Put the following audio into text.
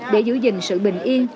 để giữ gìn sự bình yên